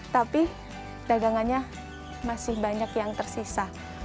tapi dagangannya masih banyak yang tersisa